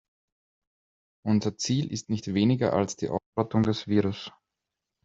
Unser Ziel ist nicht weniger als die Ausrottung des Virus.